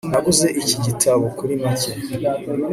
Naguze iki gitabo kuri make